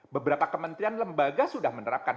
beberapa kementerian lembaga sudah menerapkan